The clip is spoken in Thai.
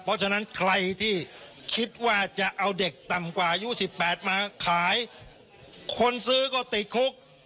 เพราะฉะนั้นใครที่คิดว่าจะเอาเด็กต่ำกว่าอายุ๑๘มาขายคนซื้อก็ติดคุก